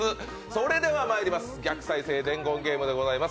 それではまいります、逆再生伝言ゲームでございます。